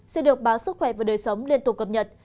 sẽ được báo sức khỏe và đời sống liên tục cập nhật